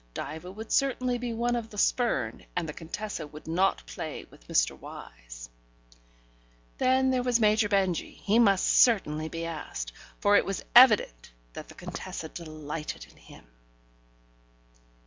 Diva would certainly be one of the spurned, and the Contessa would not play with Mr. Wyse. ... Then there was Major Benjy, he must certainly be asked, for it was evident that the Contessa delighted in him.